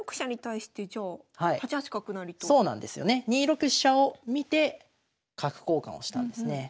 ２六飛車を見て角交換をしたんですね。